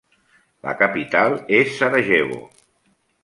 La capital és Sarajevo.